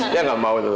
ya nggak mau tuh